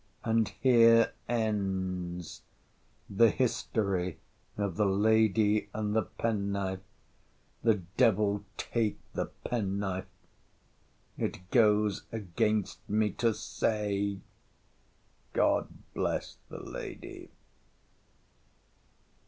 —And here ends The history of the lady and the penknife!—The devil take the penknife!—It goes against me to say, God bless the lady!